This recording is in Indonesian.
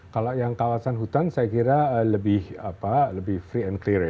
kalau yang kawasan hutan saya kira lebih free and clear ya